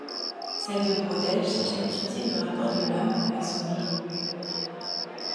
Celle de Braudel cherche à étudier le rapport de l’homme avec son milieu.